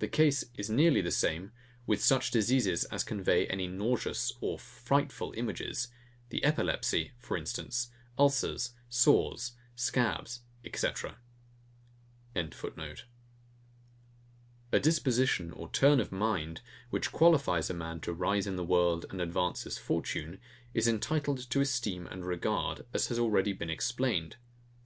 The case is nearly the same with such diseases as convey any nauseous or frightful images; the epilepsy, for instance, ulcers, sores, scabs, &c.] A disposition or turn of mind, which qualifies a man to rise in the world and advance his fortune, is entitled to esteem and regard, as has already been explained.